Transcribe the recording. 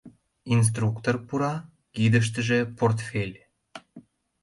Инструктор пура, кидыштыже портфель.